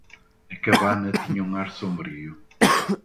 A cabana tinha um ar sombrio.